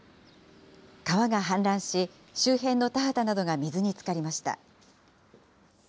川が氾濫し、周辺の田畑などが水につかりました。